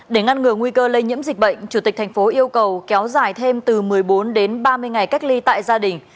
để ngăn ngừa nguy cơ lây nhiễm dịch bệnh chủ tịch thành phố yêu cầu kéo dài thêm từ một mươi bốn đến ba mươi ngày cách ly tại gia đình